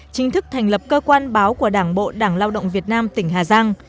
chính thức thành lập cơ quan báo của đảng bộ đảng lao động việt nam tỉnh hà giang